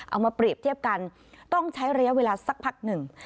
เอามาเปรียบเทียบกันต้องใช้ระยะเวลาสักพักหนึ่ง